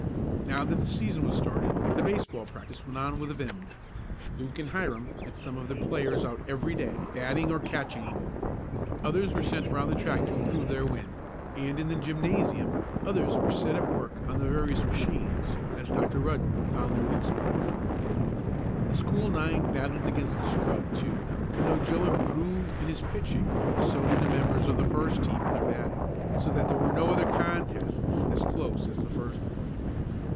Now that the season was started the baseball practice went on with a vim. Luke and Hiram had some of their players out every day, batting or catching the ball. Others were sent around the track to improve their wind, and in the gymnasium others were set at work on the various machines, as Dr. Rudden found their weak spots. The school nine battled against the scrub, too, and though Joe improved in his pitching so did the members of the first team in their batting, so that there were no other contests as close as the first one.